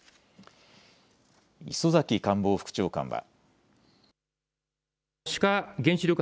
磯崎官房副長官は。